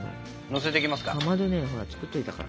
のせていきますか。